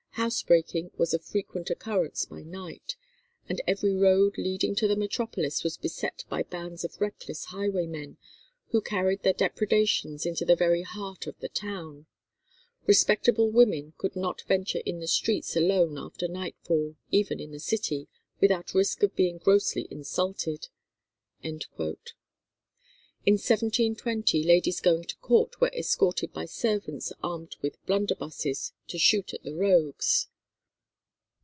Housebreaking was of frequent occurrence by night, and every road leading to the metropolis was beset by bands of reckless highwaymen, who carried their depredations into the very heart of the town. Respectable women could not venture in the streets alone after nightfall, even in the city, without risk of being grossly insulted." In 1720 ladies going to court were escorted by servants armed with blunderbusses "to shoot at the rogues."